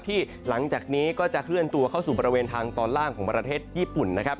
หลังจากนี้ก็จะเคลื่อนตัวเข้าสู่บริเวณทางตอนล่างของประเทศญี่ปุ่นนะครับ